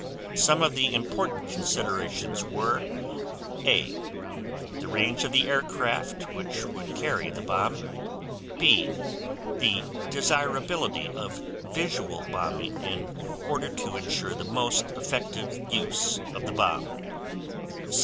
Some of the important considerations were: A. The range of the aircraft which would carry the bomb. B. The desirability of visual bombing in order to insure the most effective use of the bomb.